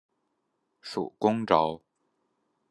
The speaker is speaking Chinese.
属恭州。